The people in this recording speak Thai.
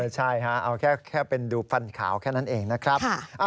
ใช่เอาแค่เป็นดูฟันขาวแค่นั้นเองนะครับ